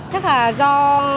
chắc là do